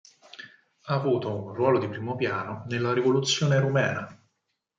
Ha avuto un ruolo di primo piano nella rivoluzione rumena.